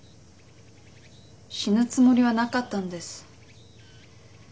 死ぬつもりはなかったんです。